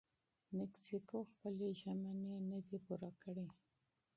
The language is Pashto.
مکسیکو خپلې ژمنې نه دي پوره کړي.